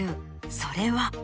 それは。